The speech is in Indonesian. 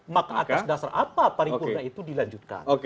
maka atas dasar apa paripurna itu dilanjutkan